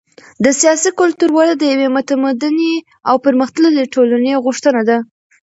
د سیاسي کلتور وده د یوې متمدنې او پرمختللې ټولنې غوښتنه ده.